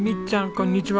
こんにちは。